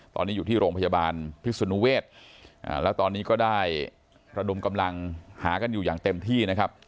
ตอนนี้อยู่ที่โรงพยาบาลพิศนุเวศแล้วตอนนี้ก็ได้ระดมกำลังหากันอยู่อย่างเต็มที่นะครับ